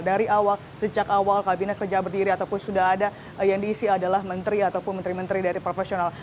dari awal sejak awal kabinet kerja berdiri ataupun sudah ada yang diisi adalah menteri ataupun menteri menteri dari profesional